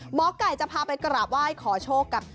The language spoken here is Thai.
หมอไก่จะพาไปกราบไหว้ขอโชคกับ